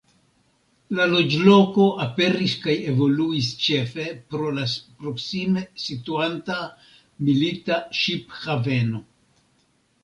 La loĝloko aperis kaj evoluis ĉefe pro la proksime situanta milita ŝip-haveno.